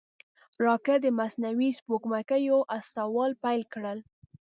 راکټ د مصنوعي سپوږمکیو استول پیل کړل